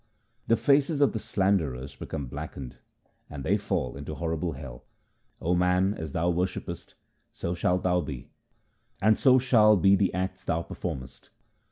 The faces of the slanderers become blackened, and they fall into horrible hell. O man, as thou worshippest, so shalt thou be, and so shall be the acts thou performest.